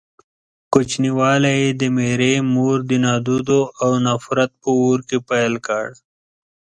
کوچنيوالی يې د ميرې مور د نادودو او نفرت په اور کې پيل کړ.